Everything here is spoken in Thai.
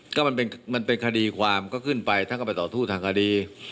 ก็มันเป็นคดีความก็ขึ้นไปท่านก็ไปต่อสู้ทางคดี